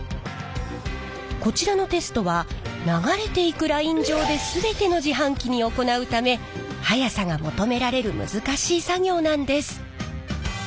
こちらのテストは流れていくライン上で全ての自販機に行うため速さが求められる難しい作業なんです。